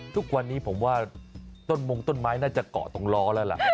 ทุกวันนี้ผมว่าต้นมงต้นไม้น่าจะเกาะตรงล้อแล้วล่ะ